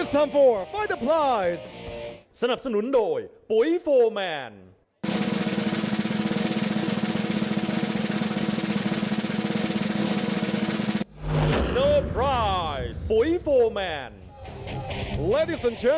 ทุกท่านครับหลังวันอีก๒ครั้ง